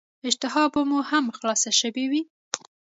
اشتها به مو هم ښه خلاصه شوې وي.